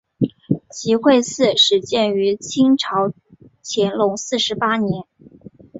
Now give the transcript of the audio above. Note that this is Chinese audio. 集惠寺始建于清朝乾隆四十八年。